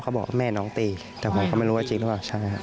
เขาบอกว่าแม่น้องตีแต่ผมก็ไม่รู้ว่าจริงหรือเปล่า